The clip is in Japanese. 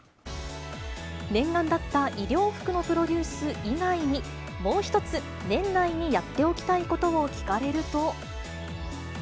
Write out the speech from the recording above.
念願だった医療服のプロデュース以外に、もう一つ、年内にやっておきたいことを聞かれると。